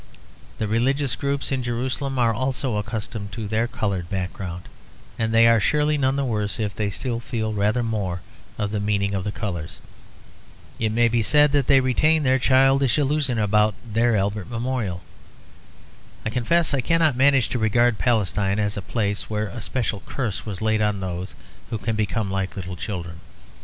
The religious groups in Jerusalem are also accustomed to their coloured background; and they are surely none the worse if they still feel rather more of the meaning of the colours. It may be said that they retain their childish illusion about their Albert Memorial. I confess I cannot manage to regard Palestine as a place where a special curse was laid on those who can become like little children.